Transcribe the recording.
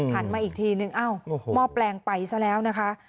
มาอีกทีนึงอ้าวหม้อแปลงไปซะแล้วนะคะ